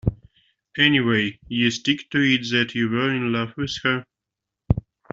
Anyway, you stick to it that you were in love with her?